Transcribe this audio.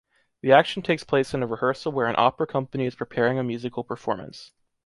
The action takes place in a rehearsal where an opera company is preparing a musical performance.